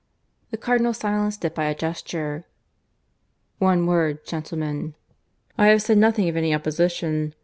The Cardinal silenced it by a gesture. "One word, gentlemen. ... I have said nothing of any opposition.